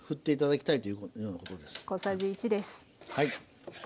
はい。